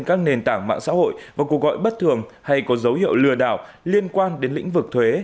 các nền tảng mạng xã hội và cuộc gọi bất thường hay có dấu hiệu lừa đảo liên quan đến lĩnh vực thuế